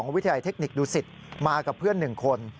วิทยาลัยเทคนิคดูสิตมากับเพื่อน๑คน